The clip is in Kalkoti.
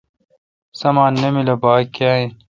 سامان نامل اؘ باگ کیااین۔